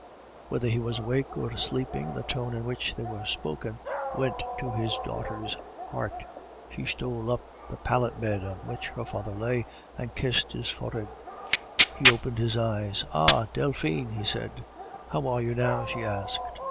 Whether he was awake or sleeping, the tone in which they were spoken went to his daughter's heart. She stole up to the pallet bed on which her father lay, and kissed his forehead. He opened his eyes. "Ah! Delphine!" he said. "How are you now?" she asked.